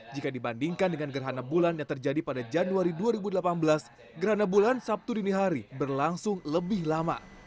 jika dibandingkan dengan gerhana bulan yang terjadi pada januari dua ribu delapan belas gerhana bulan sabtu dini hari berlangsung lebih lama